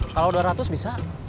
kalau dua ratus bisa